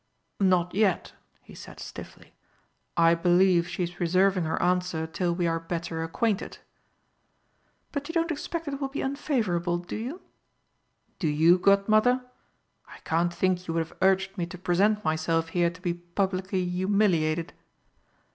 "Not yet," he said stiffly. "I believe she is reserving her answer till we are better acquainted." "But you don't expect it will be unfavourable, do you?" "Do you, Godmother? I can't think you would have urged me to present myself here to be publicly humiliated."